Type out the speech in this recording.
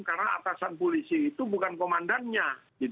karena atasan polisi itu bukan komandannya